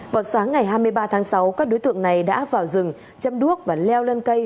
vào sáng ngày hai mươi ba tháng sáu các đối tượng này đã vào rừng châm đuốc và leo lên cây